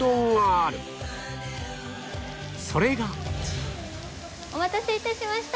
それがお待たせ致しました。